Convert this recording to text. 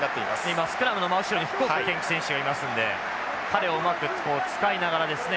今スクラムの真後ろに福岡堅樹選手がいますので彼をうまく使いながらアタックするのかなと思います。